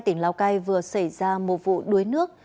tỉnh lào cai vừa xảy ra một vụ đuối nước